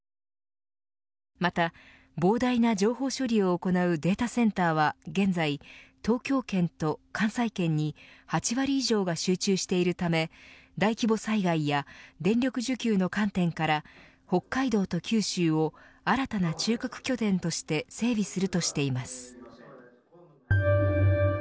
また、膨大な情報処理を行うデータセンターは現在、東京圏と関西圏に８割以上が集中しているため大規模災害や電力需給の観点から北海道と九州を新たな中核拠点として整備するとしています。